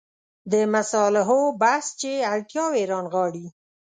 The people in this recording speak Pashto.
د مصالحو بحث چې اړتیاوې رانغاړي.